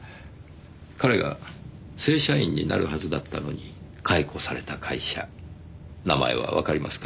彼が正社員になるはずだったのに解雇された会社名前はわかりますか？